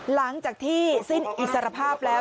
หลังจากที่สิ้นอิสรภาพแล้ว